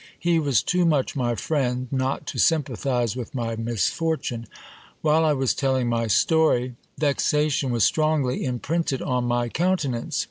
He was too much my friend not to sympathize with my misfortune. While I was telling my story vexation was strongly imprinted on my countenance.